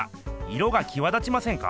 色がきわ立ちませんか？